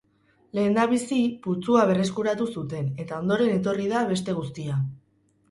Lehendabizi, putzua berreskuratu zuten, eta ondoren etorri da beste guztia.